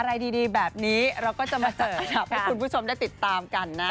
อะไรดีแบบนี้เราก็จะมาเสิร์ฟให้คุณผู้ชมได้ติดตามกันนะ